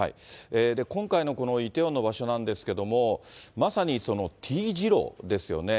今回のこのイテウォンの場所なんですけども、まさにＴ字路ですよね。